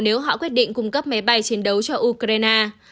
nếu họ quyết định cung cấp máy bay chiến đấu cho ukraine